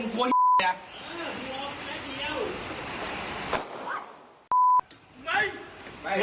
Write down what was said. เหตุการณ์เกิดขึ้นคืนคืนวันที่๒๑กรกฎาคมค่ะ